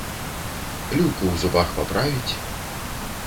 Люльку ў зубах паправіць.